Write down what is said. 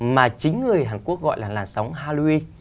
mà chính người hàn quốc gọi là làn sóng haui